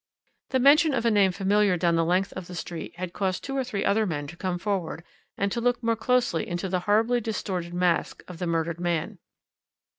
"The mention of a name familiar down the length of the street had caused two or three other men to come forward and to look more closely into the horribly distorted mask of the murdered man.